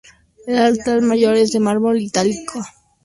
El altar mayor es de mármol italiano de Carrara.